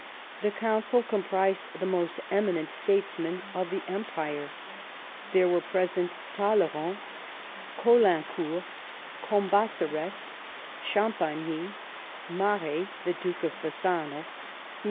This Council com prised the most eminent statesmen of the Empire. There were present, Talleyrand, Caulaincourt, Cambaceres,. Champagny, Maret (Duke of Bassano), MM.